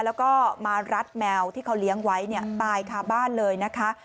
แล้วก็มารัดแมวที่เขาเลี้ยงไว้ตายคาบ้านเลยนะคะ